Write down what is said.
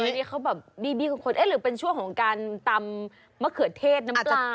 เออนี่เขาแบบบีบีกกว่าคนหรือเป็นช่วงของการตำมะเขือเทศน้ำปลาหรือเปล่า